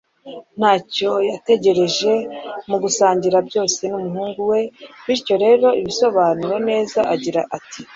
ntacyo yategereje mu gusangira byose n'umuhungu we. bityo rero abisobanura neza agira ati